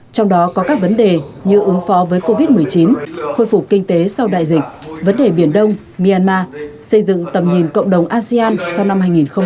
trong đó có các vấn đề như ứng phó với covid một mươi chín khôi phục kinh tế sau đại dịch vấn đề biển đông myanmar xây dựng tầm nhìn cộng đồng asean sau năm hai nghìn hai mươi năm